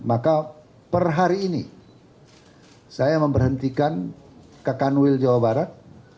maka per hari ini saya memberhentikan ke kanwil jawa barat